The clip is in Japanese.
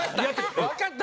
わかった。